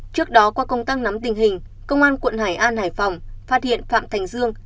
trước đó qua công tác nắm tình hình công an quận hải an hải phòng phát hiện phạm thành dương